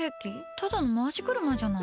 ただの回し車じゃない。